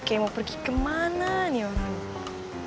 kayaknya mau pergi kemana nih orang ini